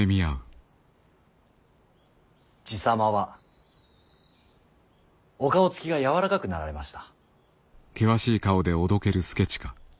爺様はお顔つきが柔らかくなられました。